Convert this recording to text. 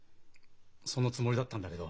そのつもりだったんだけど。